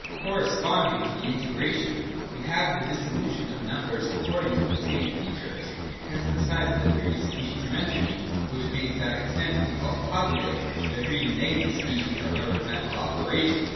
Corre sponding to the integration we have the dissolution of numbers according to the same features. Hence besides the three species mentioned, which may to that extent be called positive, there are three negative species of arithmetical operation.